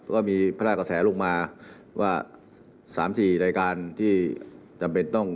ก็มีพระราชก่อแสลุกมาว่าสามสี่รายการที่จำเป็นต้อง